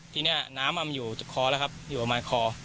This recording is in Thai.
ทีนี้น้ำมันอยู่คอแล้วครับอยู่ประมาณคอ